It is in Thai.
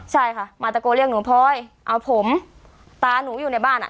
ใช่ค่ะมาตะโกนเรียกหนูพลอยเอาผมตาหนูอยู่ในบ้านอ่ะ